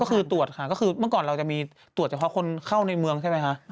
ก็คือตรวจค่ะก็คือเมื่อก่อนเราจะมีตรวจเฉพาะคนเข้าในเมืองใช่ไหมคะ